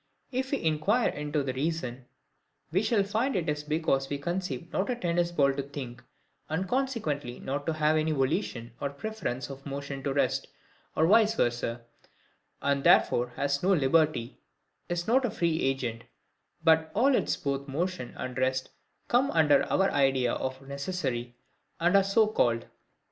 If we inquire into the reason, we shall find it is because we conceive not a tennis ball to think, and consequently not to have any volition, or PREFERENCE of motion to rest, or vice versa; and therefore has not liberty, is not a free agent; but all its both motion and rest come under our idea of necessary, and are so called.